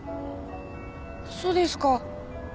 そうですか。